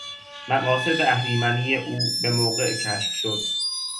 مقاصد اهریمنی او بهموقع کشف شد.